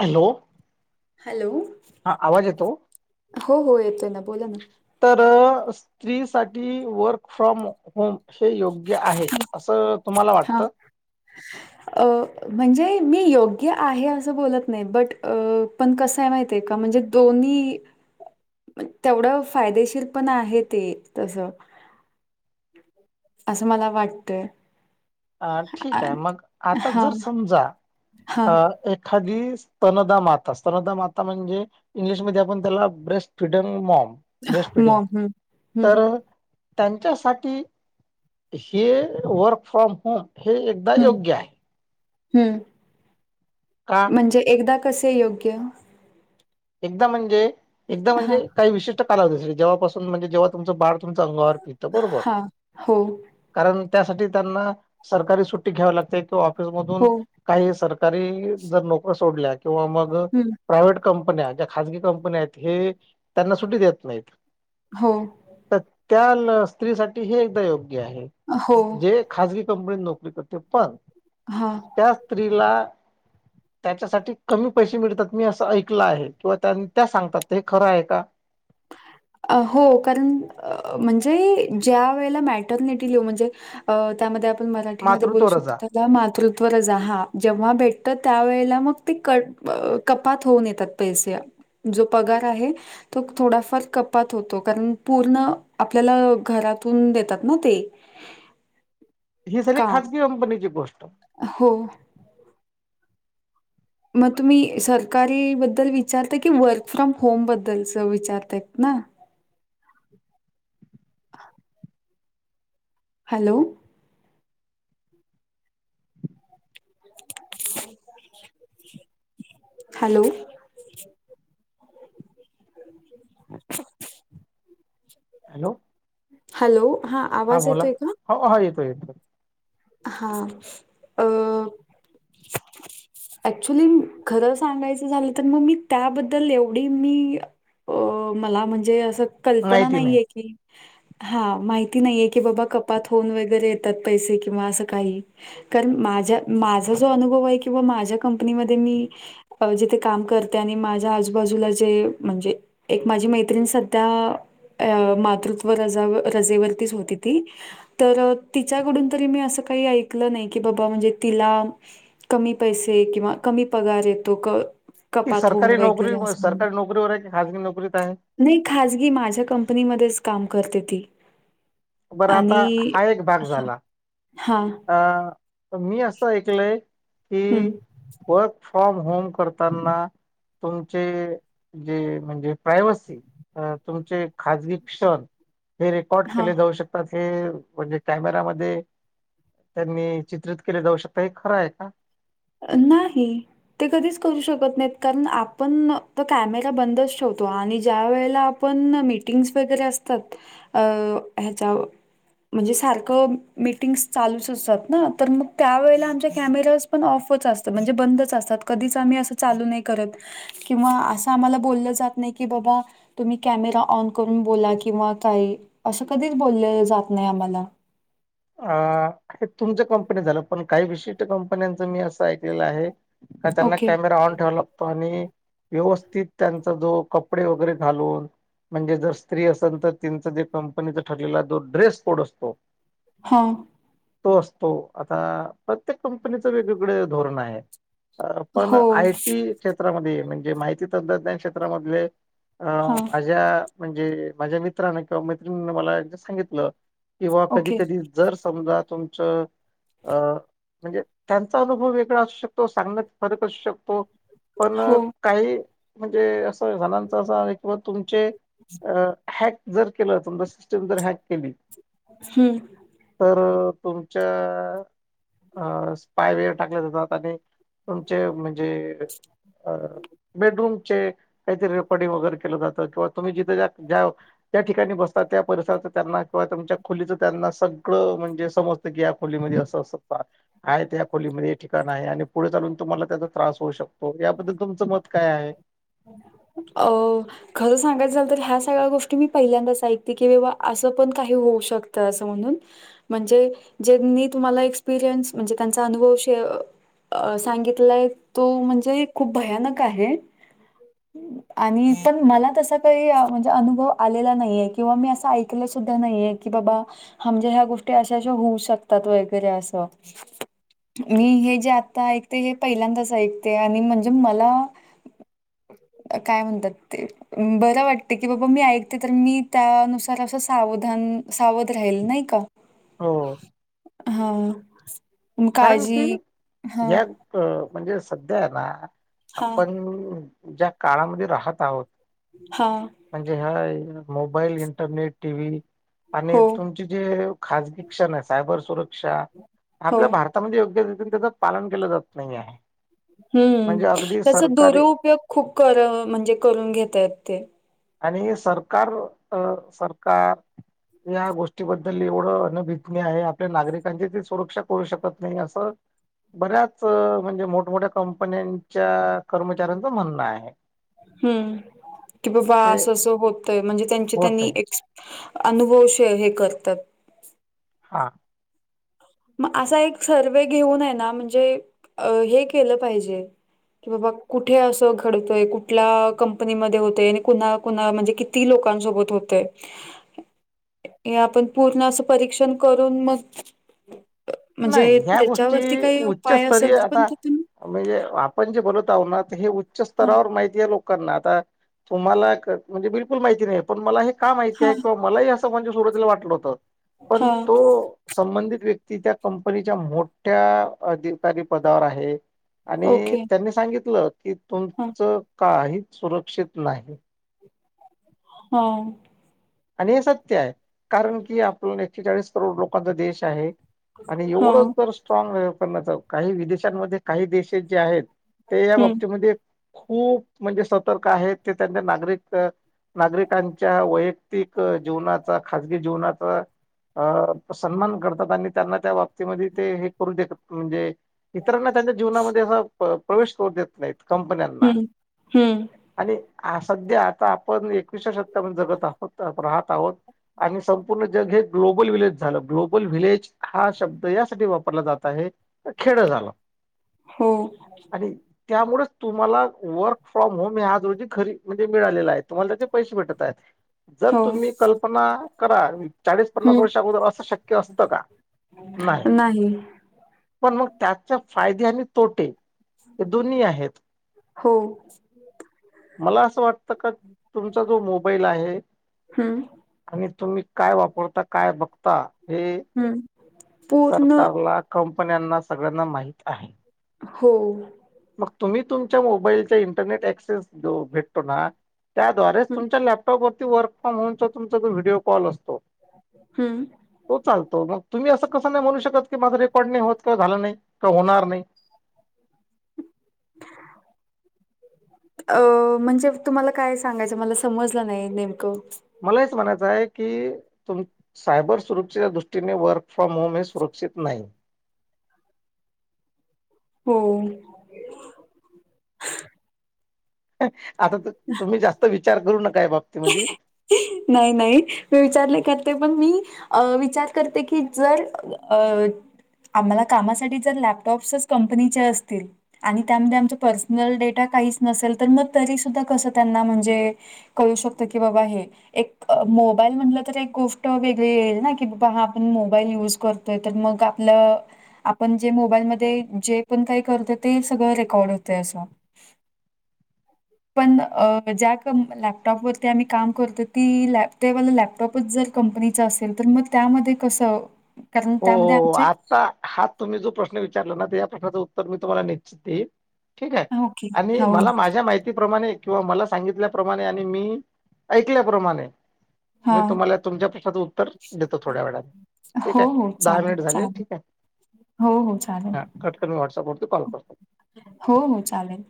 Hello hello हा आवाज येतो हो हो येतोय ना बोला ना तर स्त्री साठी वर्क फ्रॉम होम हे योग्य आहे असं तुम्हाला हा. वाटतं. अ म्हणजे मी योग्य आहे असं बोलत नाही बट पण कसं आहे माहित आहे का म्हणजे दोन्ही. तेवढं फायदेशीर पण आहे ते तस. असं मला वाटतंय अ ठीक आ- आहे मग आता हा जर समजा हा अ एक. एखादी स्तनदा माता स्तनदा माता म्हणजे. इंग्लिशमध्ये आपण त्याला breast feeding mom breast feeding मग हम्म हम्म तर. त्यांच्यासाठी हे वर्क फ्रॉम होम हे एकदा हम्म योग्य आहे. हम्म हा म्हणजे एकदा कसे योग्य एकदा म्हणजे एकदा हा म्हणजे काही विशेष. तुमच्या कालावधी जेव्हापसून म्हणजे जेव्हा तुमचं बाळ तुमचं अंगावर पितं बरोबर. हा हो कारण त्यासाठी त्यांना सरकारी सुट्टी घ्यावी लागते तो. हो काही सरकारी जर नोकऱ्या सोडल्या किंवा मग हम्म प्रायवेट कंपनी. न्या ज्या खासगी कंपन्या आहेत हे त्यांना सुटी देत नाहीत हो तर त्या स्त्रीसाठी हे एकदा योग्य आहे हो जे. खाजगी कंपनी नोकरी करते पण हा त्या स्त्रीला त्याच्यासाठी कमी पैसे मिळतात मी असं ऐकल आहे किंवा त्या सांगतात हे खरं आहे का. अ हो कारण म्हणजे ज्या वेळेला मेटर्निटी लि म्हणजे. अ त्यामध्ये आपण मराठीमध्ये बोलू मातृत्व रजा शकतो मातृत्व रच हहा जेव्हा भेटत त्यावेेळेला मग तेी क कपात होऊन येतात पैसे जो पगार आहे तो थोडाफार कपात होतो कारण पूर्ण आपल्याला घरातून देतात ना ते [unintelligible] ही सगळी काम. खाजगी कंपनीची गोष्ट. हो मग तुम्ही सरकारी बद्दल विचारताय की वर्क फ्रॉम होम बद्दलच विचारतायत ना. हॅलो हम् [inaudible] हॅलो हॅलो हॅलो हा आवाज येतोय का हो हो येतो येतो हा अ ऍक्च्युली खरं सांगायचं झालं तर मग मी त्याबद्दल एवढी मी अ मला म्हणजे असं कल्पना माहिती नाही नाहीये की हा माहिती नाहीये की बाबा कपात होऊन वगैरे येतात पैसे कि किंवा असं काही कारण माझ माझा जो अनुभव आहे किंवा माझ्या कंपनीमध्ये मी अ जिथे काम करते आणि माझ्या आजूबाजूला जे म्हणजे एक माझी मैत्रिण सध्या अ मातृत्व रजा रजेवरतीच होती ती तर तिच्याकडून तरी मी असं काही ऐकलं नाही की बाबा म्हणजे तिला कमी पैसे किंवा कमी पगार येतो क की कपात होऊन सरकारी वगैरे नोकरी असं. सरकारी नोकरीवर आहे की खाासगी नोकरीत आहे नाही खाजगी माझ्या कंपनीमध्येच काम करते ती बरं आता... हा एक भाग झाला हा अ... मी असं ऐकलंय की हं, वर्क फ्रॉम होम करताना तुमचे जे... म्हणजे प्रायवसी अ... तुमचे खाजगी क्षण हे रेकॉर्ड हां. केले जाऊ शकतात... हे म्हणजे कॅमेरामध्ये त्यांनी चित्रित केले जाऊ शकतात... हे खरं ए का? अ... नाही ते कधीच करू शकत नाहीत... कारण आपण... तर कॅमेरा बंदच ठेवतो... आणि ज्या वेळेला पण.. मीटिंग्स वगैरे असतात ह्याच्यावर म्हणजे... सारखं मीटिंग्स चालूच असतात ना... तर मग त्यावेेळेला आमच्या कॅमेरा पण ऑफच असतात... म्हणजे बंदच असतात... कधीच आम्ही असं चालू नाई करत किंवा असं आम्हाला बोललं जात नाही की बाबा तुम्ही कॅमेरा ऑन करून बोला किंवा काय... असं कधीच बोललं जात नाही आम्हाला अ... हे तुमच्या कंपनीचं झालं... पण काही विशिष्ट कंपन्यांचं मी असं ऐकलेलं आहे का... त्यांना ओके. कॅमेरा ऑन ठेवला आणि व्यवस्थित त्यांचा जो कपडे वगैरे घालून म्हणजे जर स्त्री असेल तर त्याचं जे कंपनीचा ठरलेला... जो ड्रेस कोड असतो हा तो असतो... आता... प्रत्येक कंपनीचं वेगवेगळे धोरणं आहेत पण हो आयटी क्षेत्रामध्ये... म्हणजे माहिती तंत्रज्ञान क्षेत्रामधले अं... हां माझ्या म्हणजे माझ्या मित्रांनें किंवा मैत्रिणीने मला एकदा सांगितलं किंवा कधी ओके कधी जर समजा तुमचं अ.. म्हणजे त्यांचा अनुभव वेगळा असू शकतो.. सांगण्यात फरक असू शकतो पण हो काही... म्हणजे असं जणांचा असं... किंवा तुमचे... अ हॅक जर केलं... समजा सिस्टम जर हॅक केली हूं तर तुमच्या... स्पायवे टाकल्या जातात आणि तुमचे म्हणजे... अ... बेडरूम काहीतरी रेकॉर्डिंग वगैरे केलं जातं... किंवा तुम्ही जिथं ज्या त्या ठिकाणी बसतात त्या परिसराचं... त्यांना किंवा तुमच्या खोलीचं त्यांना सग म्हणजे समजतं की... या खोलीमध्ये असं असं [unintelligible] आहेत या खोलीमध्ये हे ठिकाण आहे... आणि पुढे चालून तुम्हाला त्याचा त्रास होऊ शकतो... याबद्दल तुमचं मत काय आहे? अ खरं सांगायचं झालं तर, ह्या सगळ्या गोष्टी मी पहिल्यांदाच ऐकते... की बाबा... असं पण काही होऊ शकतं.. असं म्हणून म्हणजे... ज्येंनी तुम्हाला एक्सपेरियन्स... म्हणजे त्यांचा अनुभव शेअर अ... सांगितलाय तो म्हणजे... खूप भयानक आहे आणि पण... मला तसा काही... म्हणजे अनुभव आलेला नाहीये... किंवा मी असं ऐकलं सुुद्धा नाहीये कि बाबा... हा म्हणजे ह्या गोष्टी अशाशा होऊ शकतात वगैरे असं मी... हे जे... आता ऐकते... हे पहिल्यांदाच ऐकते... आणि म्हणजे मला काय म्हणतात ते बरं वाटते की... बाबा मी ऐकते तर... मी त्यानुसार असं सावधान... सावध राहील नई का? हो हा... कारण काळजी की या अ... म्हणजे सध्या ना... हां, आपण ज्या काळामध्ये राहत आहोत हा म्हणजे ह्या मोबाईल... इंटरनेट... टी व्ही आणि हो, तुमची जे खाजगी क्षण आहे... सायबर सुरक्षा हो. आपल्या भारतामध्ये योग्य रीतीने त्याचं पालन केलं जात नाही आहे. हम्म म्हणजे अगदी त्याचा सरकारी दुरुपयोग खूप कर म्हणजे करून घेतय आहेत ते आणि सरकार अ सरकार. या गोष्टीबद्दल एवढं अनभीितनी आहे आपल्या नागरिकांची ती सुरक्षा करू शकत नाही असं. बऱ्याच म्हणजे मोठमोठ्या कंपन्यांच्या कर्मचाऱ्यांचं म्हणणं आहे. हम्म कि बा वा ते अस असं होतय म्हणजे त्यांची होत त्यांनी. आहे अनुभवश हे करतात. हा. मग असा एक सर्वे घेऊन आहे ना म्हणजे हे केलं पाहिजे. कि बाबा कुठे असं घडतोय कुठल्या कंपनीमध्येध्ये होतय आणि कुणा कुणा म्हणजे क ती लोकांसोबत होतय. हे आपण पूर्ण असं परीक्षण करून मग. नाही म्हणजे ह्या गोष्टी त्याच्यावरती काही उपाय असेल उच्चस्तरीय तर पण आता. ते तुम्ही म्हणजे आपण जे बोलत आहो ना हे उच्च हा स्तरावर माहिती आहे लोकांना आता. तुम्हाला म्हणजे बिलकुल माहिती नाही पण मला हे का माहिती हा आहे किंवा मलाही असं म्हणजे सुरवातीला वाटलं होतं. पण हा तो संबंधित व्यक्ती त्या कंपनीच्या मोठ्या अधिकारी पदावर आहे आणि ओके त्यांनी सांगितलं. कि हा तुमचं काही सुरक्षित नाही. हा. आणि हे सत्य आहे कारण की आपला एकशे चाळीस करोड लोकांचा देश आहे. आणि हा एवढं तर स्ट्रॉंग व करण्याच काही विदेशांमध्ये काही देश जे आहेत. ते या हम्म बाबतीमध्ये. खूप म्हणजे सतर्क आहेत ते त्यांच्या नागरिक नागरिकांच्या वय. प्रत्यिक जीवनाचा खाजगी जीवनाचा. अ सन्मान करतात आणि त्यांना त्या बाबतीमध्ये ते हे करू देतात म्हणजे. इतरांना त्यांच्या जीवनामध्ये असा प्रवेश करू देत नाहीत कंपन्यांना. हम्म हम्म आणि सध्या आता आपण एकविसाव्या शतकात मध्ये जगत अहो. हो आपण राहत आहोत आणि संपूर्ण जग हे ग्लोबल वि्हलेज झालं ग्लोबल वि्हलेज. हा शब्द यासाठी वापरला जात आहे अखेड झालं. हो. आणि त्यामुळेच तुम्हाला वर्क फ्रॉम होम आज रोजी घरी म्हणजे मिळालेला आहे तुम्हाला त्याचे पैसे भेटत आहेत. जर हो तुम्ही कल्पना करा चाळीस पन्नास हम्म वर्षा अगोदर असं शक्य असतं का. नाही. पण मग त्याचे फायदे आणि तोटे हे दोन्ही आहेत. हो. मला असं वाटतं का तुमचा जो मोबाईल आहे. हम्म आणि तुम्ही काय वापरता काय बघता. आता हे हम्म पूर्ण सरकारला कंपन्यांना सगळ्यांना माहित आहे. हो. मग तुम्ही तुमच्या मोबाईलच्या इंटरनेट ऍक्सेस भेटतो ना. त्याद्वारेच हम्म तुमच्या लॅपटॉप वरती वर्क फ्रॉम होमचा तुमचा जो व्हिडीिओ कॉल असतो. हम्म. तो चालतो मग तुम्ही असं कसं नाही म्हणू शकत की माझा रेकॉर्ड नाही होत किंवा झालं नाही किंवा होणार नाही. अ म्हणजे तुम्हाला काय सांगायचं मला समजलं नाही नेमकं. मला हेच म्हणायचं आहे की तुम. सायबर सुरक्षेच्या दृष्टीने वर्क फ्रॉम होम हे सुरक्षित नाही. हो. आता तुम्ही जास्त विचार करू नका या बाबतीमध्ये. नाही नाही मी विचारले करते पण मी अ विचार करते की जर अ आम्हाला कामासाठी जर लॅपटॉप्सच कंपनीचे असतील आणि त्यामध्ये आमचा पर्सनल डेटा काहीच नसेल तर मग तरी सुद्धा कस त्यांना म्हणजे कळू शकता की हे बाबा एक मोबाईल म्हणलं तर एक गोष्ट वेगळी येईल ना की बाबा हा आपण मोबाईल युज करतो त तर मग आपलं आपण जे मोबाईलमध्ये जे पण काही करतो तेच सगळं रेकॉर्ड होतं असं पण अ ज्या लॅपटॉपवररती आम्ही काम करतो ती त्यावाला लॅपटॉपच जर कंपनीचा असेल तर मग त्यामध्ये कसं कारण हो त्यामध्ये हो आमचे आता हा तुम्ही जो प्रश्न विचारला ना तर या प्रश्नाचं उत्तर मी तुम्हाला निश्चित देईन ठीक आहे ओके. आणि हो, मला माझ्या माहितीप्रमाणे किंवा मला सांगितल्याप्रमाणे आणि मी ऐकल्याप्रमाणे मी हां. तुम्हाला तुमच्या प्रश्नाचं उत्तर देतो थोड्या वेळाने ठीक हो, आहे हो. दहा चालेल, मिनिट झाले चालेल. ठीक आहे हो, हो. चालेल. हा कट करून मी व्हॉट्सअपवरती कॉल करतो हो हो चालेल